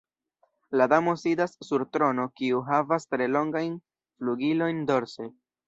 La damo sidas sur trono kiu havas tre longajn flugilojn dorse.